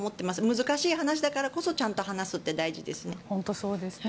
難しい話だったからこそちゃんと話すって大事ですね。